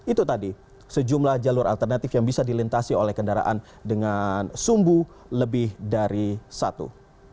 itu tadi sejumlah jalur alternatif yang bisa dilintasi oleh kendaraan dengan sumbu lebih dari satu